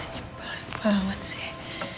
nyibel banget sih